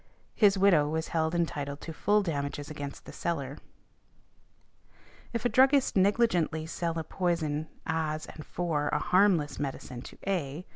His widow was held entitled to full damages against the seller . If a druggist negligently sell a deadly poison as and for a harmless medicine to A.